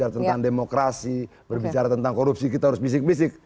tentang demokrasi berbicara tentang korupsi kita harus bisik bisik